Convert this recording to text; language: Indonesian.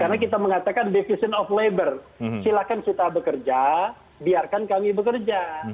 karena kami mengatakan division of labor silakan kita bekerja biarkan kami bekerja